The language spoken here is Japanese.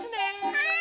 はい。